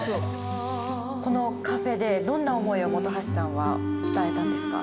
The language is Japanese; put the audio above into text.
このカフェでどんな思いを本橋さんは伝えたんですか？